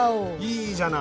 いいじゃない。